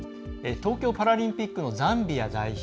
東京パラリンピックのザンビア代表